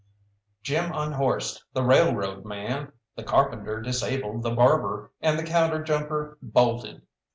Jim unhorsed the railroad man, the carpenter disabled the barber, and the counter jumper bolted.